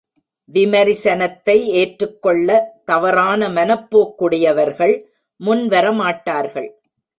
விமரிசனத்தை ஏற்றுக் கொள்ள தவறான மனப்போக்குடையவர்கள் முன்வர மாட்டார்கள்.